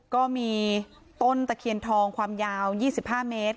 ก็มีต้นตะเคียนทองความยาว๒๕เมตร